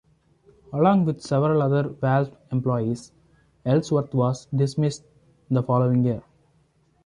Along with several other Valve employees, Ellsworth was dismissed the following year.